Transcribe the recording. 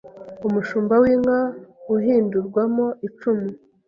umushumba winka uhindurwamo icumu